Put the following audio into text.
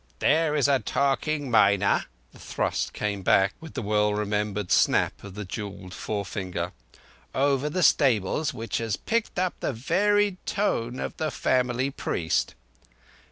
"There is a talking mynah"—the thrust came back with the well remembered snap of the jewelled fore finger—"over the stables which has picked up the very tone of the family priest.